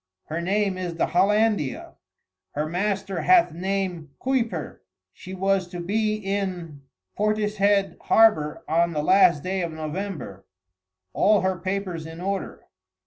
Her name is the Hollandia, her master hath name Kuyper. She was to be in Portishead harbour on the last day of November: all her papers in order.